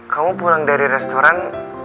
kamu pulang dari restoran